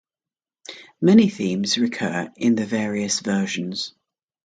Many themes recur in the various versions.